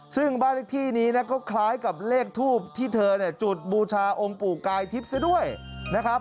ซึ่งบาร์เล็กที่นี้ก็คล้ายกับเลขทูปที่เธอจุดบูชาลูกแก้วทิพย์สักด้วยนะครับ